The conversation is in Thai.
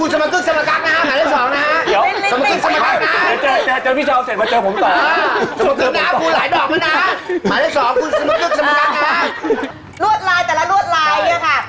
หลวดลายแต่กล้าหลวดลายอย่างเงี้ยค่ะ